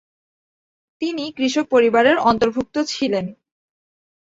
তিনি কৃষক পরিবারের অন্তর্ভুক্ত ছিলেন।